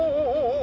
お！